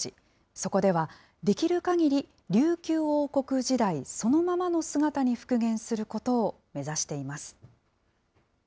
そこでは、できるかぎり琉球王国時代そのままの姿に復元することを目指しています。